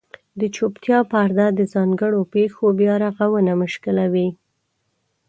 د چوپتیا پرده د ځانګړو پېښو بیارغونه مشکلوي.